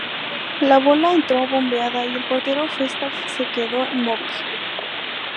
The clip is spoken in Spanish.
La bola entro bombeada y el portero Festa se quedó inmóvil.